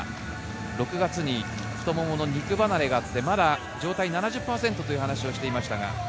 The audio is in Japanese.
６月に太ももの肉離れがあってまだ状態７０％という話をしていました。